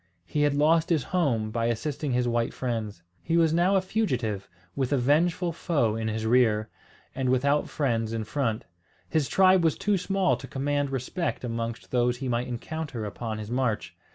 He had lost his home, by assisting his white friends. He was now a fugitive, with a vengeful foe in his rear, and without friends in front. His tribe was too small to command respect amongst those he might encounter upon his march.